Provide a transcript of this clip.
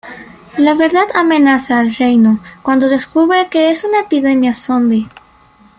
La verdad amenaza al reino, cuando descubre que es una epidemia zombi.